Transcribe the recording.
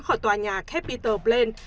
khỏi tòa nhà capitol plain